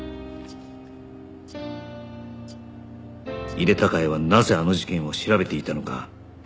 井手孝也はなぜあの事件を調べていたのか